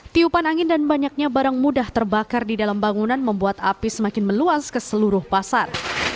tiupan angin dan banyaknya barang mudah terbakar di dalam bangunan membuat api semakin meluas ke seluruh pasar